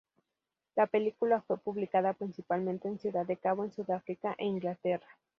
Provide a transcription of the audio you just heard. La película fue publicada principalmente en Ciudad de Cabo en Sudáfrica, e Inglaterra.